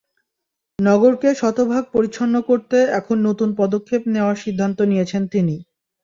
নগরকে শতভাগ পরিচ্ছন্ন করতে এখন নতুন পদক্ষেপ নেওয়ার সিদ্ধান্ত নিয়েছেন তিনি।